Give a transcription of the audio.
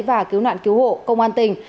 và cứu nạn cứu hộ công an tỉnh